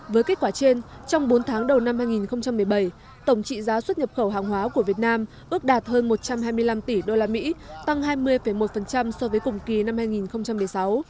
với kết quả trên trong bốn tháng đầu năm hai nghìn một mươi bảy tổng trị giá xuất nhập khẩu hàng hóa của việt nam ước đạt hơn một trăm hai mươi năm tỷ usd tăng hai mươi một so với cùng kỳ năm hai nghìn một mươi sáu